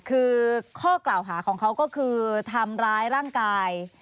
คือข้อกล่าวหาของเขาก็คือทำร้ายร่างกาย